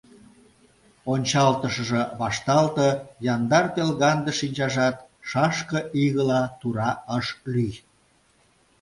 Ончалтышыже вашталте, яндар-пелганде шинчажат шашке игыла тура ыш лӱй.